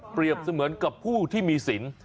เปรียบเสมือนกับผู้ที่มีสิน